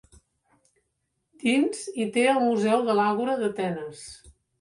Dins hi té el museu de l'àgora d'Atenes.